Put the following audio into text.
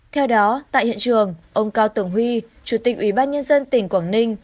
theo đó tại hiện trường ông cao tường huy chủ tịch ủy ban nhân dân tỉnh quảng ninh